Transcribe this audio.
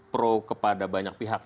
pro kepada banyak pihak